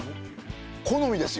好みですよ！